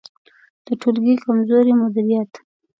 د ټولګي کمزوری مدیریت